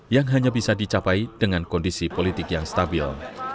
yang hanya bisa dicapai dengan kondisi politik yang stabil